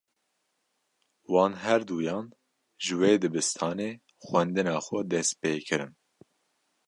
Wan her duyan, ji wê dibistanê xwendina xwe dest pê kirin